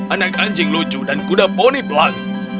anak anjing lucu dan kuda poni pelangg